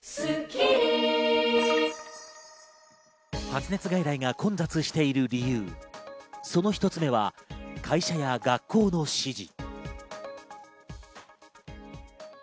発熱外来が混雑している理由、その１つ目は会社や学校の指示。